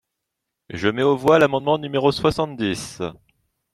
Je mets aux voix l’amendement numéro soixante-dix.